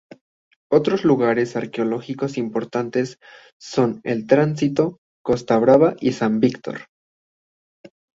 Otros lugares arqueológicos importantes son El Tránsito, Costa Brava y San Víctor.